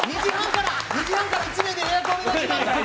２時半から１名で予約をお願いします！